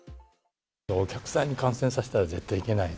お客さんに感染させたら絶対いけない。